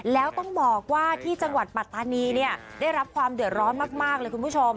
แล้วต้องบอกว่าที่จังหวัดปัตตานีเนี่ยได้รับความเดือดร้อนมากเลยคุณผู้ชม